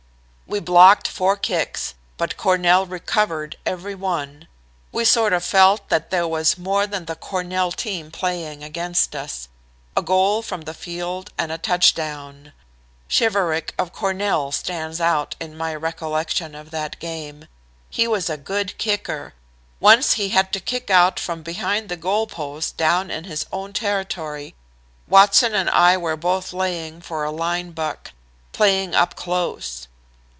"We blocked four kicks, but Cornell recovered every one. We sort of felt that there was more than the Cornell team playing against us a goal from the field and a touchdown. Shiverick, of Cornell, stands out in my recollection of that game. He was a good kicker. Once he had to kick out from behind the goal post down in his own territory. Watson and I were both laying for a line buck; playing up close.